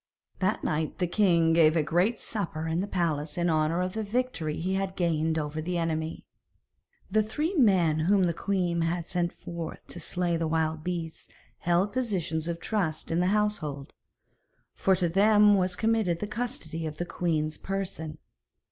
That night the king gave a great supper in the palace in honour of the victory he had gained over the enemy. The three men whom the queen had sent forth to slay the wild beasts held positions of trust in the household, for to them was committed the custody of the queen's person.